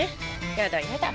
やだやだ。